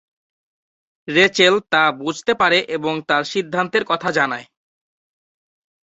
Rachel তা বুঝতে পারে এবং তার সিদ্ধান্তের কথা জানায়।